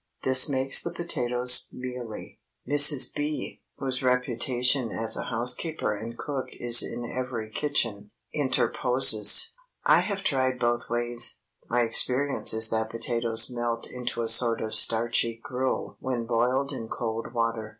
This makes the potatoes mealy." Mrs. B., whose reputation as a housekeeper and cook is in every kitchen, interposes:—"I have tried both ways. My experience is that potatoes melt into a sort of starchy gruel when boiled in cold water.